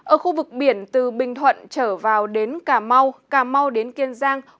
ở khu vực biển từ bình thuận trở vào đến cà mau cà mau đến kiên giang